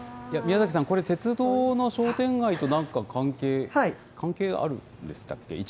宮崎さん、これ、鉄道の商店街となんか関係あるんでしたっけ？